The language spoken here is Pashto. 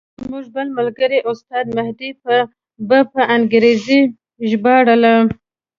زموږ بل ملګري استاد مهدي به په انګریزي ژباړله.